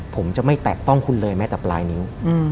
ผมจะไม่แตะต้องคุณเลยแม้แต่ปลายนิ้ว